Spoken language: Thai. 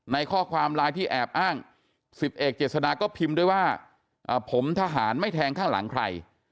ข้อความไลน์ที่แอบอ้าง๑๐เอกเจษฎาก็พิมพ์ด้วยว่าผมทหารไม่แทงข้างหลังใคร